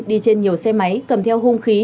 đi trên nhiều xe máy cầm theo hùng khí